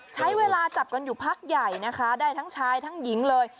ใช้เวลาจับกันอยู่พักใหญ่นะคะได้ทั้งชายทั้งหญิงเลย